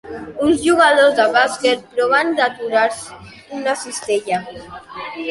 Uns jugadors de bàsquet proven d'aturar una cistella.